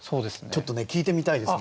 ちょっとね聴いてみたいですね。